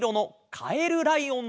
カエルライオン！？